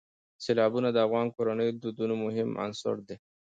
سیلابونه د افغان کورنیو د دودونو مهم عنصر دی.